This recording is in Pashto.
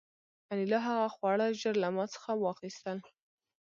انیلا هغه خواړه ژر له ما څخه واخیستل